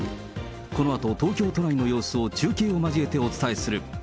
このあと、東京都内の様子を中継を交えてお伝えする。